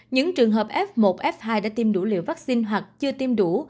những trường hợp f một f hai đã tiêm đủ liều vaccine hoặc chưa tiêm đủ